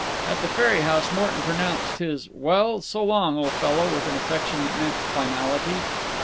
At the ferry house Morton pronounced his "Well, so long, old fellow" with an affection that meant finality.